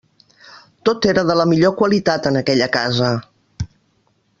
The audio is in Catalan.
Tot era de la millor qualitat en aquella casa.